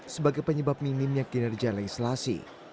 sebagai penyebab minimnya kinerja legislasi